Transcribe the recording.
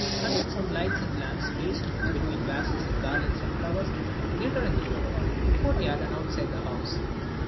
Hundreds of lights and lamps, placed between vases and garlands of flowers, glitter in the room, the court yard, and outside the house.